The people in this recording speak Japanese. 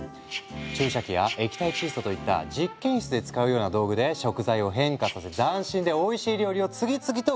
注射器や液体窒素といった実験室で使うような道具で食材を変化させ斬新でおいしい料理を次々と生み出したんだ。